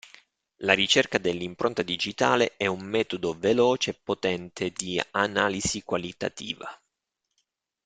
La ricerca dell'impronta digitale è un metodo veloce e potente di analisi qualitativa.